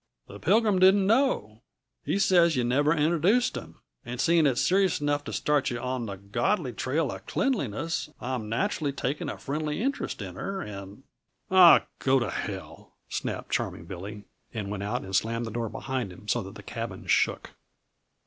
"The Pilgrim didn't know; he says yuh never introduced him. And seeing it's serious enough to start yuh on the godly trail uh cleanliness, I'm naturally taking a friendly interest in her, and " "Aw go to hell!" snapped Charming Billy, and went out and slammed the door behind him so that the cabin shook.